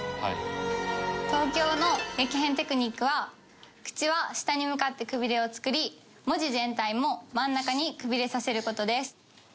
「東京」の激変テクニックは「口」は下に向かってくびれを作り文字全体も真ん中にくびれさせる事です。